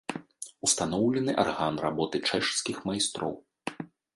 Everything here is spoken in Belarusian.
Устаноўлены арган работы чэшскіх майстроў.